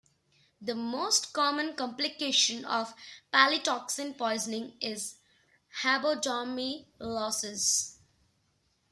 The most common complication of palytoxin poisoning is rhabdomyolysis.